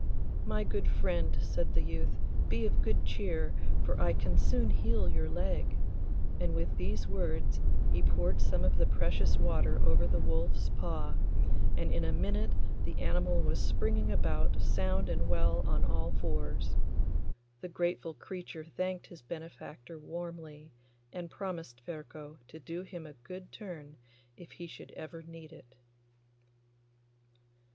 'My good friend,' said the youth, 'be of good cheer, for I can soon heal your leg,' and with these words he poured some of the precious water over the wolf's paw, and in a minute the animal was springing about sound and well on all fours. The grateful creature thanked his benefactor warmly, and promised Ferko to do him a good turn if he should ever need it.